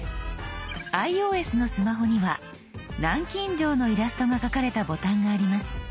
ｉＯＳのスマホには南京錠のイラストが描かれたボタンがあります。